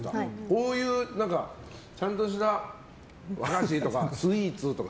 こういうちゃんとした和菓子とかスイーツとか